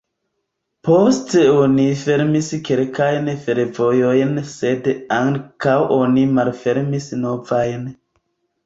Poste oni fermis kelkajn fervojojn sed ankaŭ oni malfermis novajn.